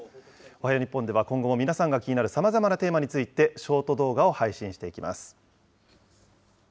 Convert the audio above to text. おはよう日本では、今後も皆さんが気になるさまざまなテーマについて、ショート動画を配信していきます。